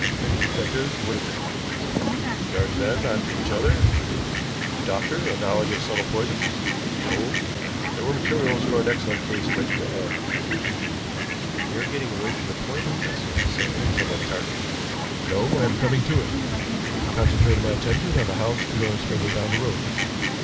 Many detectives would have been. The gardens end on to each other a doctor, a knowledge of subtle poisons oh, there were materials for an excellent case ready to hand." "We are getting away from the point, professor," I said, somewhat tartly. "No, I am coming to it. I concentrated my attention on the house two doors further down the road.